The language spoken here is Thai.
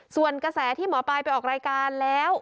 ส่วนกระแสที่หมอปลายไปออกรายการแล้ว